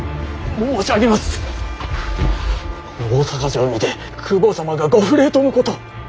大坂城にて公方様がご不例とのこと！